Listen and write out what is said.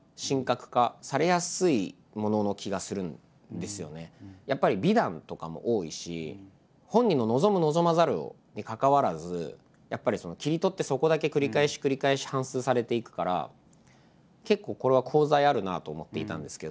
でも実際にやっぱり美談とかも多いし本人の望む望まざるにかかわらずやっぱり切り取ってそこだけ繰り返し繰り返し反すうされていくから結構これは功罪あるなと思っていたんですけど。